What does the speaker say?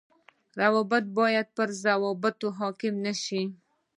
روابط باید پر ضوابطو حاڪم نشي